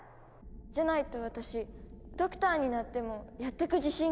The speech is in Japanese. じゃないと私ドクターになってもやってく自信がなくて。